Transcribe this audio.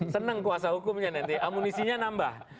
senang kuasa hukumnya nanti amunisinya nambah